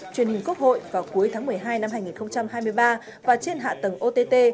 truyền hình quốc hội vào cuối tháng một mươi hai năm hai nghìn hai mươi ba và trên hạ tầng ott